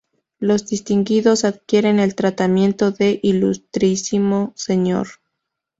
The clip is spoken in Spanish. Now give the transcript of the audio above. Los distinguidos adquieren el tratamiento de "Ilustrísimo Señor".